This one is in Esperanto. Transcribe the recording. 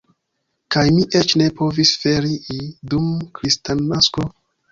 Kaj mi eĉ ne povis ferii dum Kristnasko.